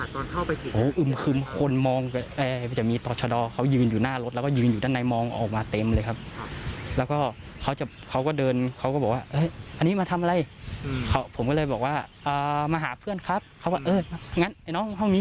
ตพเมียไว้ทำอย่างงี้